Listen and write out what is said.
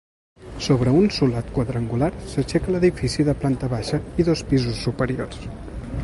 Sobre un solat quadrangular s'aixeca l'edifici de planta baixa i dos pisos superiors.